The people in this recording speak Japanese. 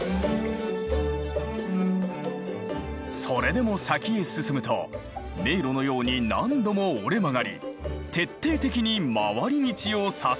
それでも先へ進むと迷路のように何度も折れ曲がり徹底的に回り道をさせられるのだ。